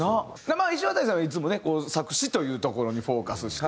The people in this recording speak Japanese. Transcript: いしわたりさんはいつもね作詞というところにフォーカスして。